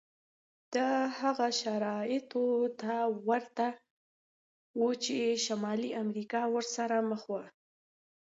دا هغو شرایطو ته ورته و چې شمالي امریکا ورسره مخ وه.